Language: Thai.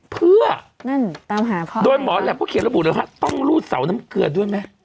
เพื่อโดยหมอแหลปเขาเขียนรับบุลเลยว่าต้องรูดเสาน้ำเกลือด้วยไหม